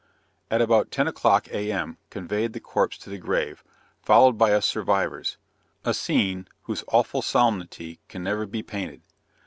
At about ten o'clock, A.M. conveyed the corpse to the grave, followed by us survivers a scene, whose awful solemnity can never be painted.